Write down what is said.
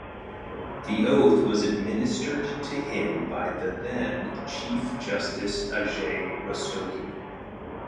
The oath was administered to him by the then Chief Justice Ajay Rastogi.